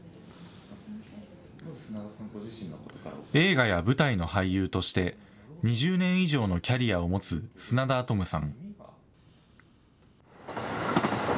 映画や舞台の俳優として、２０年以上のキャリアを持つ砂田アトムさん。